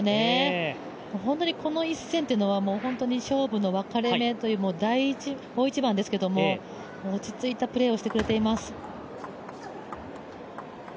本当にこの一戦というのは勝負の分かれ目という大一番ですけれども、落ち着いたプレーをしてくれています。